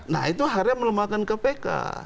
nah itu harusnya melemahkan kpk